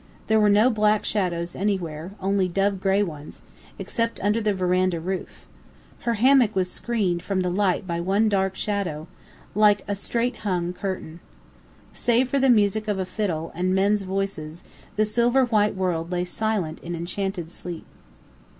There were no black shadows anywhere, only dove gray ones, except under the veranda roof. Her hammock was screened from the light by one dark shadow, like a straight hung curtain. Save for the music of a fiddle and men's voices, the silver white world lay silent in enchanted sleep.